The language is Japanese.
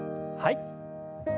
はい。